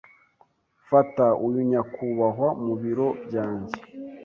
Fata uyu nyakubahwa mubiro byanjye.